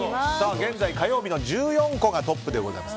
現在火曜日の１４個がトップです。